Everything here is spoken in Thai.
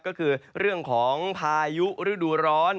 ก็คือเรื่องของพายุฤดูร้อน